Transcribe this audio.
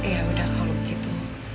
ya udah kalau begitu